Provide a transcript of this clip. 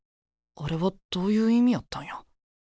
あれはどういう意味やったんや？